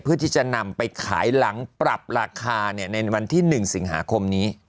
เพื่อที่จะนำไปขายหลังปรับราคาในวันที่๑สิงหาคมนี้